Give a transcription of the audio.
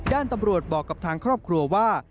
ด้านตำรวจบอกกับทางครอบครัวว่า